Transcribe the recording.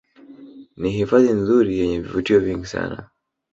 Ni hifadhi nzuri yenye vivutio vingi sana